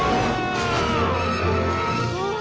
うわ！